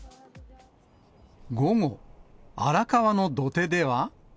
午後、荒川の土手では。